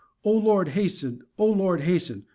O Lord, hasten! O Lord, hasten!